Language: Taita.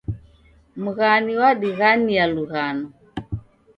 Mghani wadighania lughano